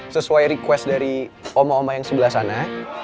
sesuai request dari oma oma yang sebelah sana